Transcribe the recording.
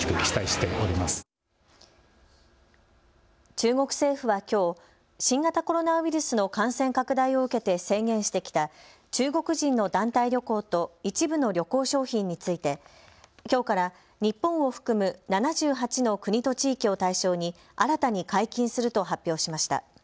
中国政府はきょう新型コロナウイルスの感染拡大を受けて制限してきた中国人の団体旅行と一部の旅行商品についてきょうから日本を含む７８の国と地域を対象に新たに解禁すると発表しました。